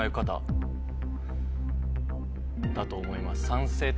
だと思います。